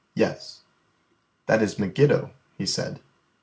"Yes." "That is Megiddo," he said.